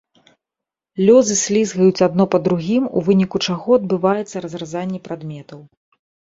Лёзы слізгаюць адно па другім, у выніку чаго адбываецца разразанне прадметаў.